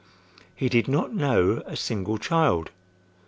He did not know a single child.